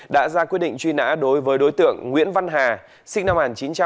đã ra quyết định truy nã đối với đối tượng nguyễn văn hà sinh năm một nghìn chín trăm tám mươi